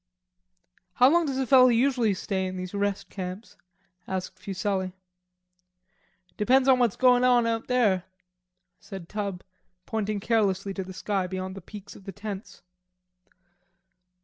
"How long does a fellow usually stay in these rest camps?" asked Fuselli. "Depends on what's goin' on out there," said Tub, pointing carelessly to the sky beyond the peaks of the tents.